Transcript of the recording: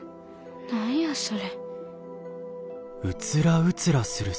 何やそれ。